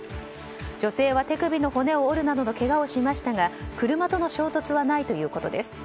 女性は手首の骨を折るなどのけがをしましたが車との衝突はないということです。